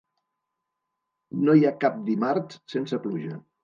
No hi ha cap dimarts sense pluja.